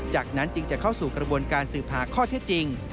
จากนั้นจึงจะเข้าสู่กระบวนการสืบหาข้อเท็จจริง